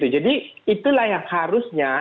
jadi itulah yang harusnya